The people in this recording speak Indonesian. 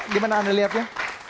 dimana anda lihatnya